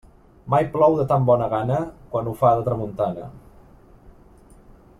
Mai plou de tan bona gana, quan ho fa de tramuntana.